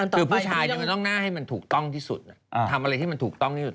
คือผู้ชายมันต้องน่าให้มันถูกต้องที่สุดทำอะไรที่มันถูกต้องที่สุด